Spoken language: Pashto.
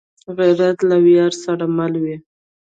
غیرت له ویاړ سره مل وي